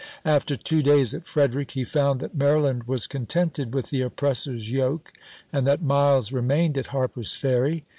After two days at Frederick he found that Maryland was con tented with the oppressor's yoke, and that Miles remained at Harper's Ferry.